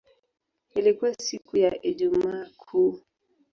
Ilikuwa siku ya Ijumaa Kuu.